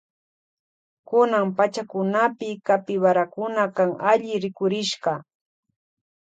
Kunan pachakunapi capibarakuna kan alli rikurishka.